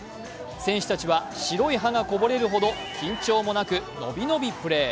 選手たちは白い歯がこぼれるほど、緊張もなくのびのびプレー。